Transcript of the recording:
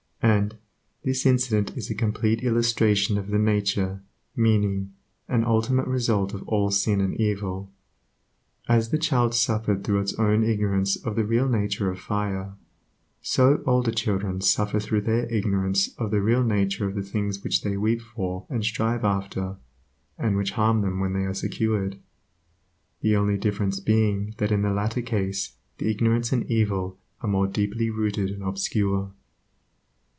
And, this incident is a complete illustration of the nature, meaning, and ultimate result of all sin and evil. As the child suffered through its own ignorance of the real nature of fire, so older children suffer through their ignorance of the real nature of the things which they weep for and strive after, and which harm them when they are secured; the only difference being that in the latter case the ignorance and evil are more deeply rooted and obscure.